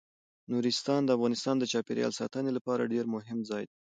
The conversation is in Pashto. نورستان د افغانستان د چاپیریال ساتنې لپاره ډیر مهم ځای دی.